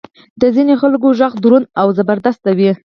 د ځینې خلکو ږغ دروند او زبردست وي.